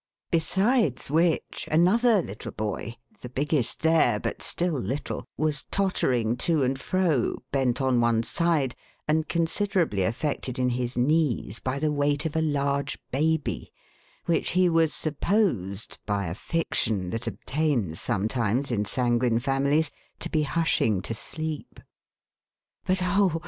Besides which, another little boy — the biggest there, but still little— was tottering to and fro, bent on one side, and considerably affected in his knees by the weight of a large baby, which he was supposed, by a fiction that obtains sometimes in sanguine families, to be hushing to sleep. But oh